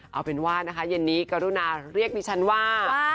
เอาเป็นว่านะคะเย็นนี้กรุณาเรียกดิฉันว่า